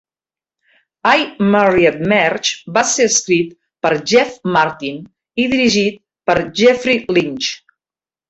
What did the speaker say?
I Married Marge va ser escrit per Jeff Martin i dirigit per Jeffrey Lynch.